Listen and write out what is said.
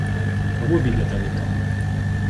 Кого видят они там?